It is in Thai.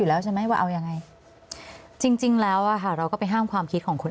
แล้วใช่ไหมว่าเอายังไงจริงแล้วอ่ะค่ะเราก็ไปห้ามความคิดของคุณ